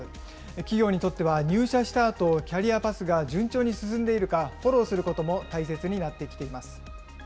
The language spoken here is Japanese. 企業にとっては、入社したあと、キャリアパスが順調に進んでいるかフォローすることも大切になってきています。